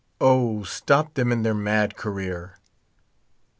O, stop them in their mad career